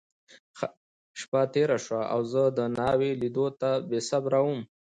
شپه تېره شوه، او زه د ناوې لیدو ته بېصبره وم.